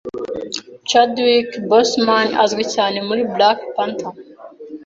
Chadwick Boseman azwi cyane muri Black Panther